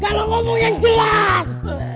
kalau ngomong yang jelas